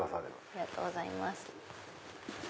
ありがとうございます。